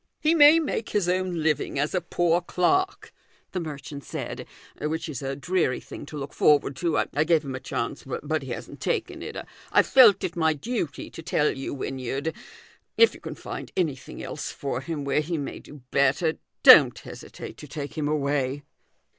" He may make his own living as a poor clerk," the merchant said, "which is a dreary thing to look forward to. I gave him a chance, but he hasn't taken it. I felt it my duty to tell THE GOLDEN RULE. 279 you, Wynyard : if you can find anything else for him where he may do better, don't hesitate to take him away."